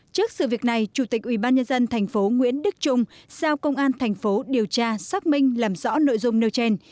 trước sự việc này chủ tịch ubnd tp nguyễn đức trung giao công an tp điều tra xác minh làm rõ nội dung nêu trên